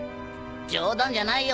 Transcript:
冗談じゃないよ